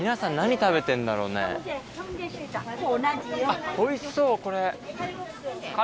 あっおいしそうこれ。